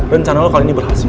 rencana lo kali ini berhasil